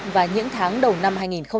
và những tháng đầu năm hai nghìn một mươi bảy